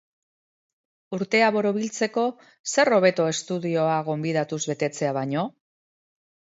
Urtea borobiltzeko zer hobeto estudioa gonbidatuz betetzea baino?